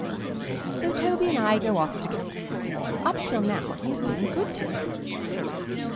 So Toby and I go off together. Up till now he has been good to me.